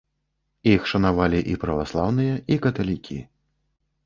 Іх шанавалі і праваслаўныя, і каталікі.